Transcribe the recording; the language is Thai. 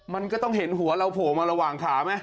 มันก็ต้องเห็นหัวเราโผล่มาระหว่างขาไหม